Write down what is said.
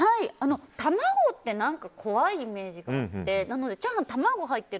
卵って、何か怖いイメージがあって。